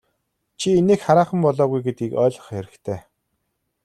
Чи инээх хараахан болоогүй гэдгийг ойлгох хэрэгтэй.